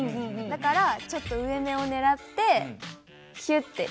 だからちょっと上めをねらってヒュッて。